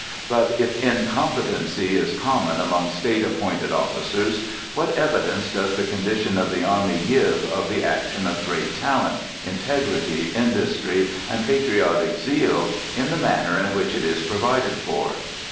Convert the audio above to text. But if incompetency is common among State appointed officers, what evidence does the condition of the army give of the action of great talent, integrity, industry, and patriotic zeal, in the manner in which it is provided for!